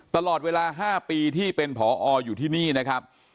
ตลอดเวลา๕ปีที่เป็นผออยู่ที่นี่นะครับ